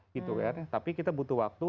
gitu kan tapi kita butuh waktu